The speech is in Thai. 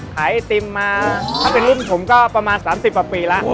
ไอติมมาถ้าเป็นรุ่นผมก็ประมาณ๓๐กว่าปีแล้ว